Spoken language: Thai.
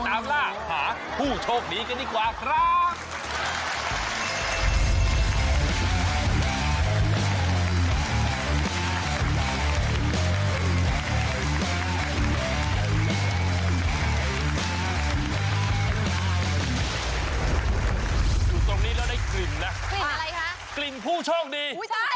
มาต่อจากจังหวัดอะไรจากอาทิตย์จะเป็นคนหรือเปล่า